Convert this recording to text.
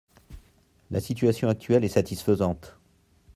La situation actuelle est satisfaisante.